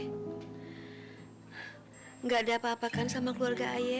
tidak ada apa apa kan sama keluarga ayah